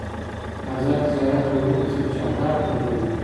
آزاد تجارت مهم دی ځکه چې اهداف پوره کوي.